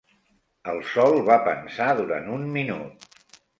El sol va pensar durant un minut.